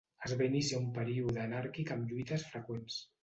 Es va iniciar un període anàrquic amb lluites freqüents.